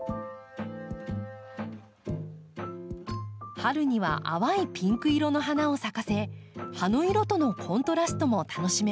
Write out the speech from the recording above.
春には淡いピンク色の花を咲かせ葉の色とのコントラストも楽しめます。